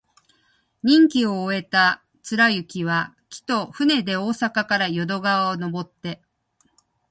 任期を終えた貫之は、帰途、船で大阪から淀川をのぼって、